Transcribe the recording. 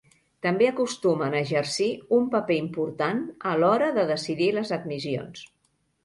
També acostumen a exercir un paper important a l'hora de decidir les admissions.